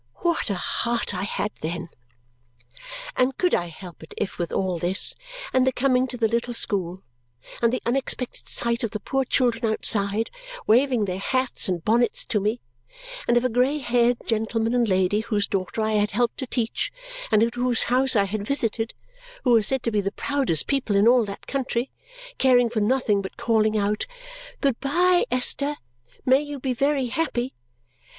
what a heart I had then! And could I help it if with all this, and the coming to the little school, and the unexpected sight of the poor children outside waving their hats and bonnets to me, and of a grey haired gentleman and lady whose daughter I had helped to teach and at whose house I had visited (who were said to be the proudest people in all that country), caring for nothing but calling out, "Good bye, Esther. May you be very happy!"